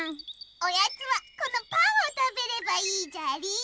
おやつはこのパンをたべればいいじゃりー。